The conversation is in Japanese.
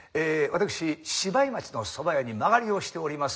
私芝居町のそば屋に間借りをしております